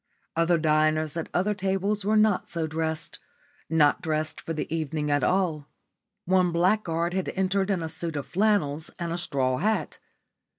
Other diners at other tables were not so dressed not dressed for the evening at all. One blackguard had entered in a suit of flannels and a straw hat.